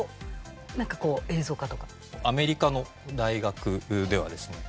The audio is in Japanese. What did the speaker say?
アメリカの大学ではですね